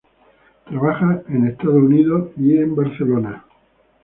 Trabaja en Estados Unidos y Barcelona.